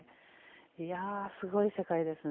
いやあ、すごい世界ですね。